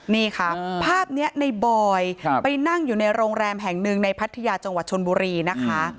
นี่ค่ะภาพนี้ในบอยไปนั่งอยู่ในโรงแรมแห่งหนึ่งในพัทยาจังหวัดชนบุรีนะคะ